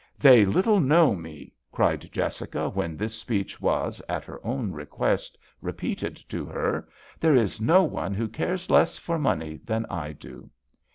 " They little know me !" cried Jessica, when this speech was, at her own request, repeated to her. " There is no one who cares less for money than I do."